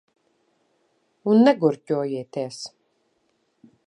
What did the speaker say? Un negurķojieties.